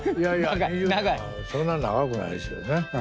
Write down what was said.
そんな長くないですよね。